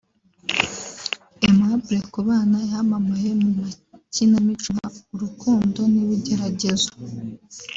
Aimable Kubana yamamaye mu makinamico nka ‘Urukundo n’ibigeragezo’